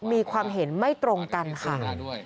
มีความเห็นไม่ตรงกันค่ะ